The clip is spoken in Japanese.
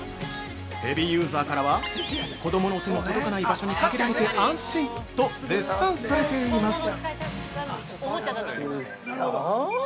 ヘビーユーザーからは「子供の手の届かない場所に掛けられて安心！」と絶賛されています。